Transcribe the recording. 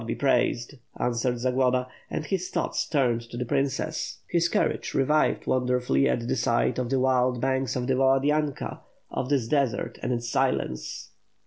"God be praised," answered Zagloba, and his thoughts turned to the princess. His courage revived wonderfully at the sight of the wild banks of the Valadynka, of this desert and its silence.